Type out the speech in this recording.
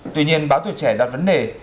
tuy nhiên báo tuổi trẻ đặt vấn đề